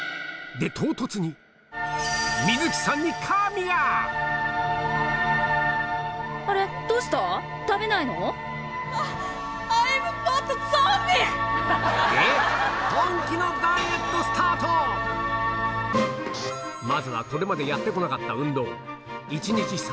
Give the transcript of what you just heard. でまずはこれまでやって来なかった運動